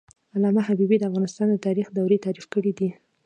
علامه حبيبي د افغانستان د تاریخ دورې تعریف کړې دي.